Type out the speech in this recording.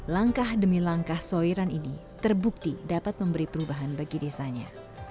langkah demi langkah soiran ini terbukti dapat memberi perubahan bagi desanya